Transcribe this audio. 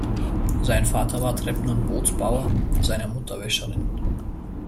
Sein Vater war Treppen- und Bootsbauer, seine Mutter Wäscherin.